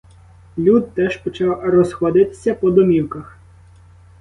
Люд теж почав розходитися по домівках.